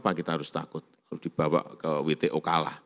karena kita harus takut kalau dibawa ke wto kalah